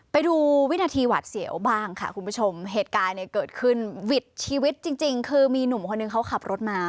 ไปดูวินาทีหวัดเสียวบ้างค่ะคุณผู้ชมเหตุการณ์เนี่ยเกิดขึ้นหวิดชีวิตจริงคือมีหนุ่มคนหนึ่งเขาขับรถมา